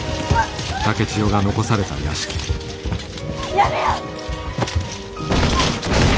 やめよ！